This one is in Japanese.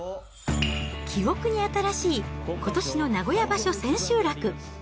記憶に新しいことしの名古屋場所千秋楽。